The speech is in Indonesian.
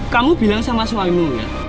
kamu bilang sama suaminya